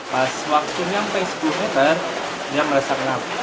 pas waktu nyampe sepuluh meter dia merasa kenapa